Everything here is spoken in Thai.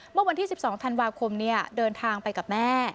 เมื่อวันที่๑๒ธันวาคมเดินทางไปกับแม่